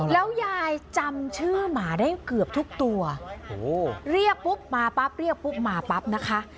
แล้วยายจำชื่อหมาได้เกือบทุกตัวเรียกปุ๊บมาปั๊บเรียกปุ๊บมาปั๊บนะคะ